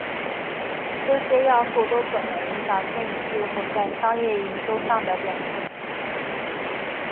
这些要素都可能影响电影最后在商业营收上的表现。